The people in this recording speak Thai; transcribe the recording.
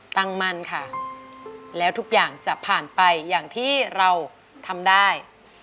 ตั้งมั่นค่ะแล้วทุกอย่างจะผ่านไปอย่างที่เราทำได้